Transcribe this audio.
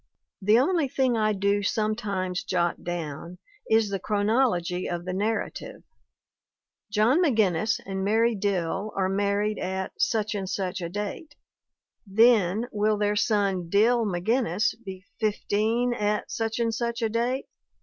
The only thing I do sometimes 'jot down' is the chronology of the narrative; John McGinnis and Mary Dill are married at such and such a date ; then, will their son, Dill Mc Ginnis, be fifteen at such and such a date?